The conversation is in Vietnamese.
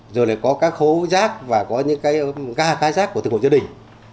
rồi lại có các hố rác và có những cái gai rác của từng hộ gia đình